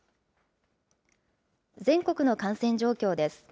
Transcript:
全国の感染状況です。